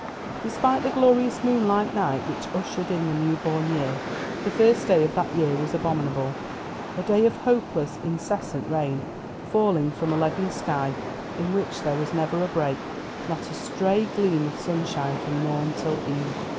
Despite the glorious moonlight night which ushered in the new born year, the first day of that year was abominable; a day of hopeless, incessant rain, falling from a leaden sky in which there was never a break, not a stray gleam of sunshine from morn till eve.